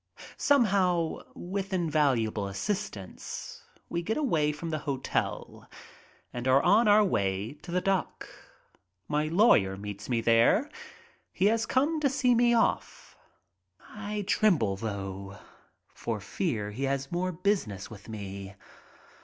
Somehow, with invaluable assistance, we get away from the hotel and are on our way to the dock. My lawyer meets me there. He has come to see me off. I tremble, though, for fear he has more business with me.